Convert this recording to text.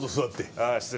ああ失礼。